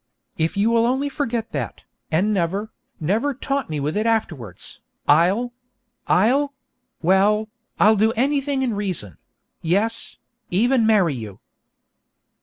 'If you will only forget that, and never, never taunt me with it afterwards, I'll I'll well, I'll do anything in reason yes, even marry you!'